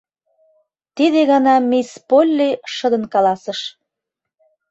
— Тиде гана мисс Полли шыдын каласыш.